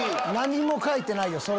何も書いてないよ